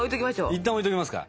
いったん置いときますか。